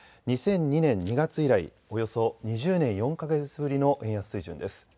２００２年２月以来、およそ２０年４か月ぶりの円安水準です。